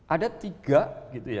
ada tiga inisiatif quick win sabrina